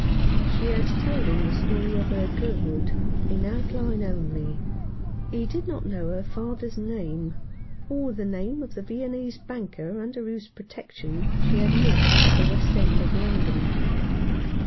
She had told him the story of her girlhood in outline only. He did not know her father's name, or the name of the Viennese banker under whose protection she had lived at the West End of London.